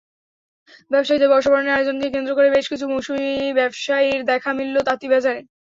ব্যবসায়ীদের বর্ষবরণের আয়োজনকে কেন্দ্র করে বেশ কিছু মৌসুমি ব্যবসায়ীর দেখা মিলল তাঁতীবাজারে।